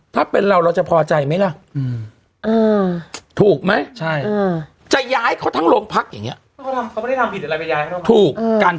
ถ้าเป็นเราเราจะพอใจไหมล่ะ